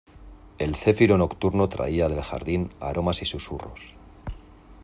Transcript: el céfiro nocturno traía del jardín aromas y susurros: